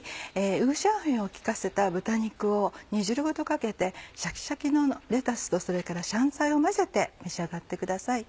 五香粉を利かせた豚肉を煮汁ごとかけてシャキシャキのレタスとそれから香菜を混ぜて召し上がってください。